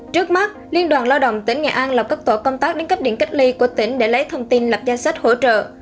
trước mắt liên đoàn lao động tỉnh nghệ an lập các tổ công tác đến cấp điện cách ly của tỉnh để lấy thông tin lập danh sách hỗ trợ